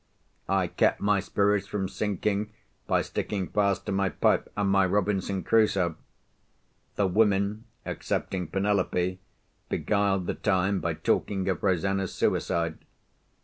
I kept my spirits from sinking by sticking fast to my pipe and my Robinson Crusoe. The women (excepting Penelope) beguiled the time by talking of Rosanna's suicide.